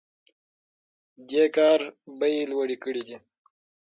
دې کار بیې لوړې کړي دي.